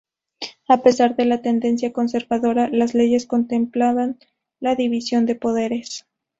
A pesar de la tendencia conservadora, las leyes contemplaban la división de poderes.